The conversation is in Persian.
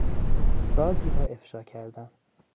رازی را افشا کردن